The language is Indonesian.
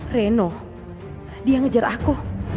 reno dia ngejar aku